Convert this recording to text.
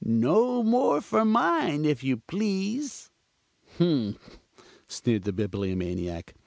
No more for mine, if you please." "Humph!" sneered the Bibliomaniac.